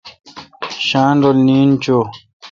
شاین رل نین چو۔